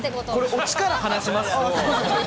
オチから話します？